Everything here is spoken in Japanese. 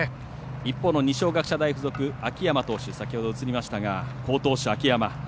一方の二松学舎大付属秋山投手、先ほど映りましたが好投手、秋山。